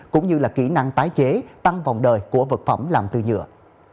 cũng như là kỹ năng tái chế tăng vòng đời của vật phẩm làm từ nhựa